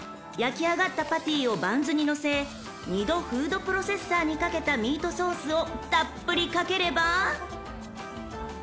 ［焼きあがったパティをバンズにのせ二度フードプロセッサーにかけたミートソースをたっぷりかければ］